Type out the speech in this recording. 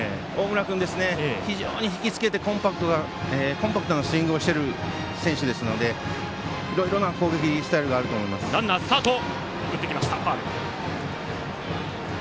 非常に引き付けてコンパクトなスイングをする選手ですのでいろいろな攻撃スタイルがあると思いますね、大村君。